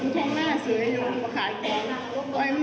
เจือนกระโดนช่วยเย็น